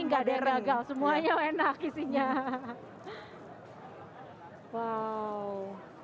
gede regal semuanya enak isinya wow